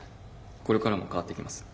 これからも変わっていきます。